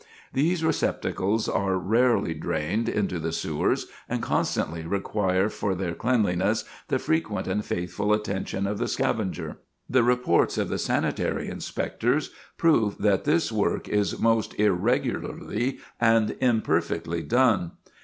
These receptacles are rarely drained into the sewers, and consequently require for their cleanliness the frequent and faithful attention of the scavenger. The reports of the sanitary inspectors prove that this work is most irregularly and imperfectly done.